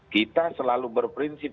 kita selalu berprinsip